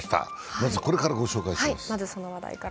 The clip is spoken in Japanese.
まずこれからご紹介します。